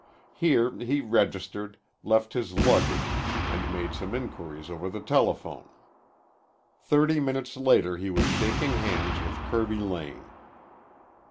Here he registered, left his luggage, and made some inquiries over the telephone. Thirty minutes later he was shaking hands with Kirby Lane.